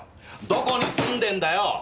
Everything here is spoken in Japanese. どこに住んでんだよ？